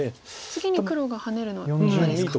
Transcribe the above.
次に黒がハネるのは立派ですか。